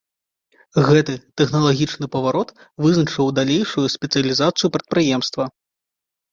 Гэты тэхналагічны паварот вызначыў далейшую спецыялізацыю прадпрыемства.